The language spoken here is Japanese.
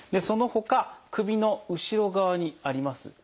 そのほか首の後ろ側にあります